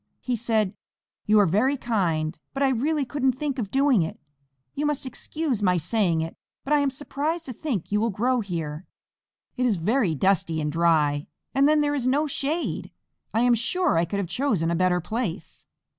He said; "You are very kind, but I really couldn't think of doing it. You must excuse my saying it, but I am surprised to think you will grow here. It is very dusty and dry, and then there is no shade. I am sure I could have chosen a better place."